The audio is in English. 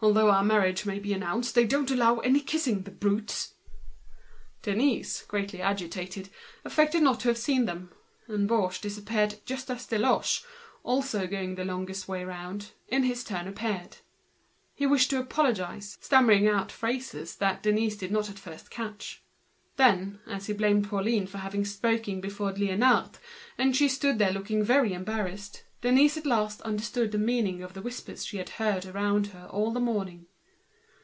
Though our marriage may be announced, they don't allow any kissing, the animals!" Denise, greatly agitated, affected not to have seen them; and Baugé disappeared just as Deloche, who was going the longest way round, appeared in his turn. He tried to apologize, stammering out phrases that Denise did not at first catch. Then, as he blamed Pauline for having spoken before Liénard, and she stood there looking very embarrassed, Denise at last understood the whispered phrases she had heard around her all the morning.